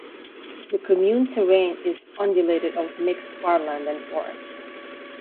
The commune terrain is undulating of mixed farmland and forest.